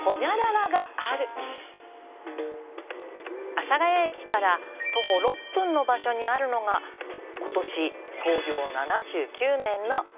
阿佐ヶ谷駅から徒歩６分の場所にあるのが今年創業７９年のこちら。